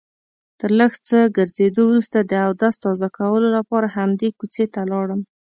تر لږ څه ګرځېدو وروسته د اودس تازه کولو لپاره همدې کوڅې ته لاړم.